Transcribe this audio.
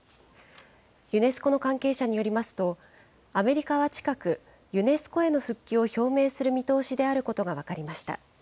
ユネスコの関係者によりますと、アメリカは近く、ユネスコへの復帰を表明する見通しであることが分かりました。